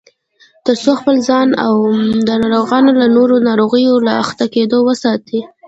ترڅو خپل ځان او ناروغان له نورو ناروغیو له اخته کېدو وساتي